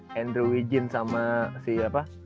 kebetulan sama si apa